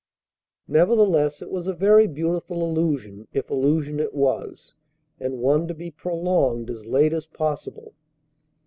Nevertheless, it was a very beautiful illusion, if illusion it was; and one to be prolonged as late as possible.